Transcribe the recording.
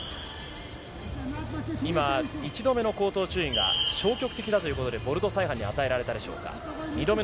今、一度目の口頭注意が消極的だということでボルドサイハンに与えられたでしょうか。